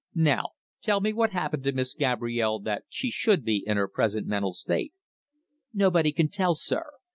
"Now, tell me what happened to Miss Gabrielle that she should be in her present mental state?" "Nobody can tell, sir.